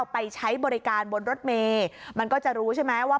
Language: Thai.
ไปใช้บริการบนรถเมย์มันก็จะรู้ใช่ไหมว่า